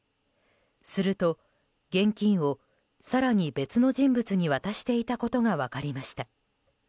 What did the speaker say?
すると、現金を更に別の人物に渡していたことが分かりました。